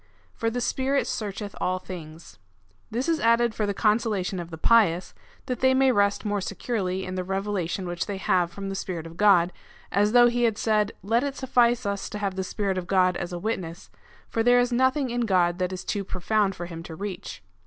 For the Spirit searcheth all things. This is added for the consolation of the pious, that they may rest more securely in the revelation which they have from the Spirit of God, as though he had said :" Let it suffice us to have the Spirit of God as a witness, for there is nothing in God that is too profound for him to reach."